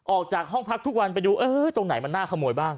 ออกจากห้องพักทุกวันไปดูเออตรงไหนมันน่าขโมยบ้าง